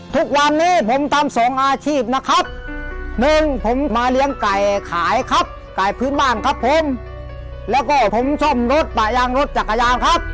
ทุกวันนี้ผมทำสองอาชีพนะครับหนึ่งผมมาเลี้ยงไก่ขายครับไก่พื้นบ้านครับผมแล้วก็ผมซ่อมรถปะยางรถจักรยานครับ